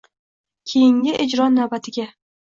Keyingi ijro navbati ga.